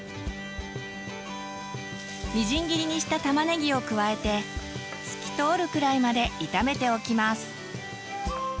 みじん切りにしたたまねぎを加えて透き通るくらいまで炒めておきます。